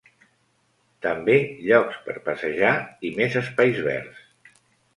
També llocs per passejar i més espais verds.